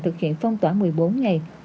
thực hiện phong tỏa một mươi bốn ngày